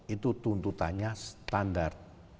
itu tuntutannya standar